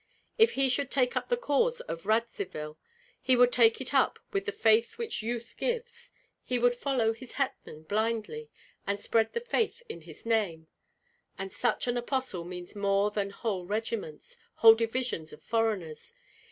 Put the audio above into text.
If he should take up the cause of Radzivill, he would take it up with the faith which youth gives, he would follow his hetman blindly, and spread the faith in his name; and such an apostle means more than whole regiments, whole divisions of foreigners.